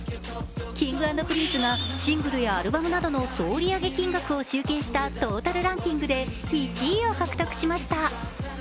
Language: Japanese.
Ｋｉｎｇ＆Ｐｒｉｎｃｅがシングルやアルバムなどの総売上金額を集計したトータルランキングで１位を獲得しました。